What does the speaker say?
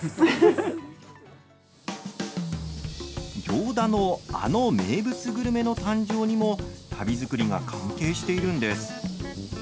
行田のあの名物グルメの誕生にも足袋作りが関係しているんです。